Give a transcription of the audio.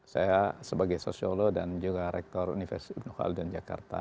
saya sebagai sosiolo dan juga rektor universitas imno kaldung jakarta